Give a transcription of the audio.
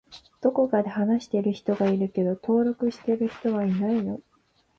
どこかで話している人がいるけど登録する人いないの？